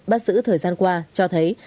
bắt giữ thời gian qua cho thấy